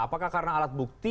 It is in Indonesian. apakah karena alat bukti